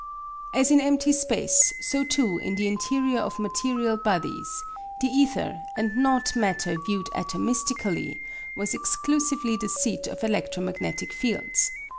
As in empty space, so too in the interior of material bodies, the ether, and not matter viewed atomistically, was exclusively the seat of electromagnetic fields.